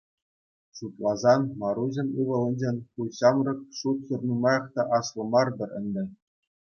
Шутласан, Маруҫӑн ывӑлӗнчен ку ҫамрӑк шутсӑр нумаях та аслӑ мар-тӑр ӗнтӗ.